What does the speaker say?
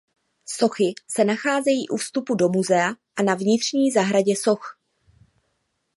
Sochy se nacházejí u vstupu do muzea a na vnitřní zahradě soch.